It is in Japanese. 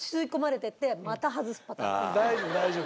大丈夫大丈夫。